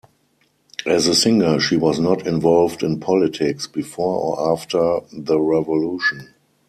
As a singer she was not involved in politics, before or after the Revolution.